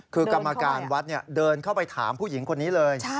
คือกรรมการวัดเดินเข้าไปถามผู้หญิงคนนี้เลย